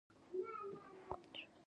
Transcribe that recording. بدلون د ژوند د خوځښت ښکارندوی دی.